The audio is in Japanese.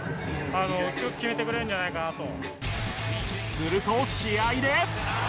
すると試合で。